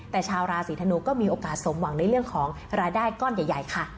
แต่ชาวราศีธนูก็มีโอกาสสมหวังในเรื่องของรายได้ก้อนใหญ่ค่ะ